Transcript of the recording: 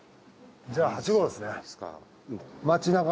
じゃあ８号ですね。